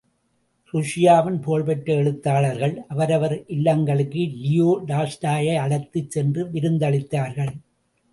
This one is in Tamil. ருஷ்யாவின் புகழ் பெற்ற எழுத்தாளர்கள், அவரவர் இல்லங்களுக்கு லியோ டால்ஸ்டாயை அழைத்துச் சென்று விருந்தளித்தார்கள்.